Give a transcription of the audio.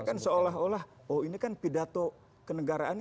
iya kan seolah olah oh ini kan pidato kenegaraan